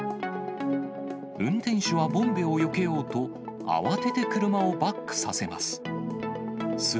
運転手はボンベをよけようと、慌てて車をバックさせます。